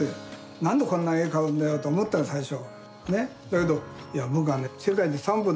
なんでこんな絵を買うんだよと思ったの、最初。